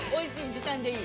時短でいい。